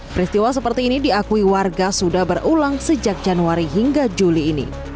peristiwa seperti ini diakui warga sudah berulang sejak januari hingga juli ini